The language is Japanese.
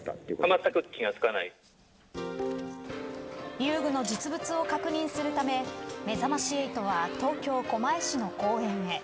遊具の実物を確認するためめざまし８は東京、狛江市の公園へ。